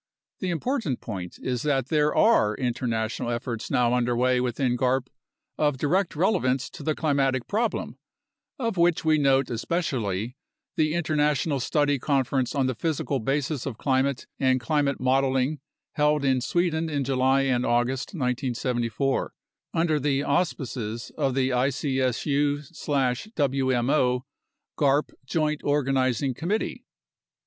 The important point is that there are inter national efforts now under way within garp of direct relevance to the climatic problem, of which we note especially the International Study Conference on the Physical Basis of Climate and Climate Modeling held in Sweden in July and August 1974 under the auspices of the icsu/wmo garp Joint Organizing Committee.